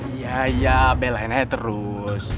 iya iya belain aja terus